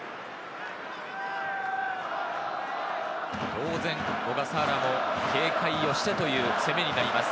当然、小笠原も警戒をして、という攻めになります。